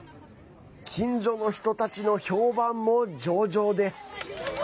近所の人たちの評判も上々です。